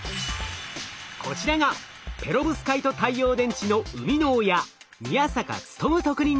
こちらがペロブスカイト太陽電池の生みの親